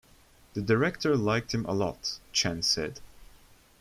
"The director liked him a lot," Chan said.